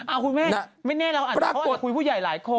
อ้าวคุณแม่ไม่แน่แล้วอ่ะเพราะอาจจะคุยผู้ใหญ่หลายคน